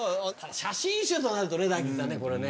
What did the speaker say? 写真集となるとね。